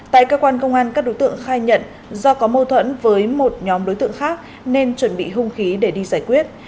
tại cơ quan công an các đối tượng khai nhận do có mâu thuẫn với một nhóm đối tượng khác nên chuẩn bị hung khí để đi giải quyết